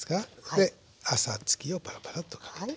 であさつきをパラパラッとかけて。